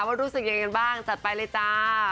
รู้สึกยังไงกันบ้างจัดไปเลยจ้า